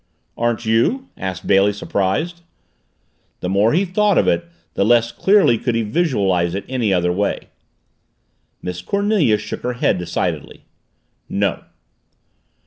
"Aren't you?" asked Bailey surprised. The more he thought of it the less clearly could he visualize it any other way. Miss Cornelia shook her head decidedly. "No."